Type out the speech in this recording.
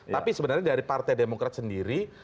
tapi sebenarnya dari partai demokrat sendiri